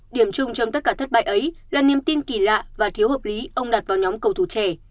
điểm chung trong tất cả thất bại ấy là niềm tin kỳ lạ và thiếu hợp lý ông đặt vào nhóm cầu thủ trẻ